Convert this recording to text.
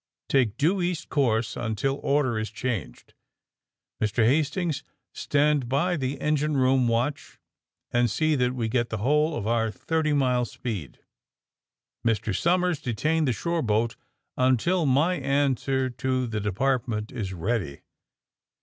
Take due east course until order is changed. Mr. Hastings, stand by the engine room watch and see that we get the whole of our thirty mile speed. Mr. Somers, detain the shore boat until my answer to the Department is ready."